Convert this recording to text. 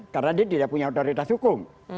karena dia tidak punya otoritas hukum